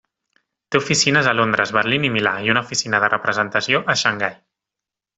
Té oficines a Londres, Berlín i Milà i una oficina de representació a Xangai.